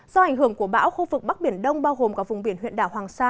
do ảnh hưởng của bão khu vực bắc biển đông bao gồm cả vùng biển huyện đảo hoàng sa